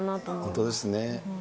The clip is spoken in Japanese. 本当ですね。